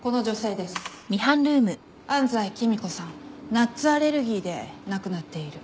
ナッツアレルギーで亡くなっている。